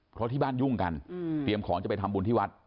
เพราะที่บ้านยุ่งกันเตรียมของจะไปทำบุญที่วัด